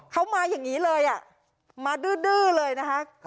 เขามาอย่างงี้เลยอ่ะมาดื้อดื้อเลยนะคะครับ